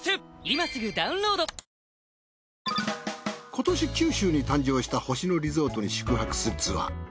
今年九州に誕生した星野リゾートに宿泊するツアー。